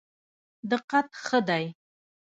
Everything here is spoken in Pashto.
دقت ښه دی.